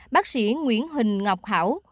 bác sĩ nguyễn huỳnh ngọc hảo